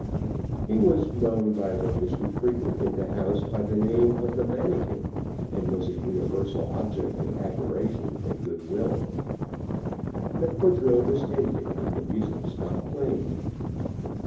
He was known by those who frequented the house by the name of the Manikin, and was a universal object of admiration and good will. The quadrille was ended, and the music stopped playing.